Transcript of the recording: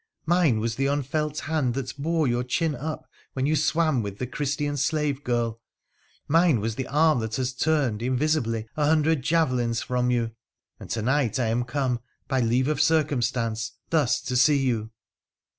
Mine was the unfelt hand that bore your chin up when you swam with the Christian slave girl — mine was the arm that has turned, in visibly, a hundred javelins from you — and to night I am come, by leave of circumstance, thus to see you.'